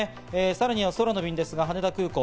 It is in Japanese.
さらには空の便ですが、羽田空港。